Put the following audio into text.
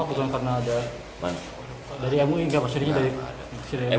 tentu saja karena ada dari mui nggak pasti ini dari